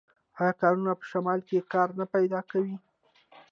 آیا کانونه په شمال کې کار نه پیدا کوي؟